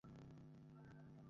Sir, sir, sir, উত্তর দিন।